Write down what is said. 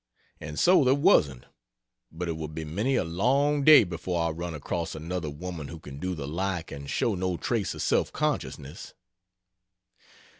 And so there wasn't; but it will be many along day before I run across another woman who can do the like and show no trace of self consciousness.